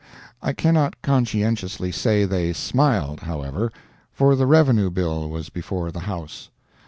I cannot conscientiously say they smiled, however, for the Revenue bill was before the House.